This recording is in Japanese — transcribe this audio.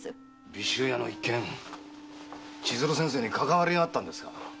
尾州屋の一件千鶴先生にかかわりがあったんですか。